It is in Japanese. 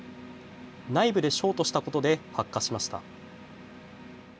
内部でショートしたことで発火しました。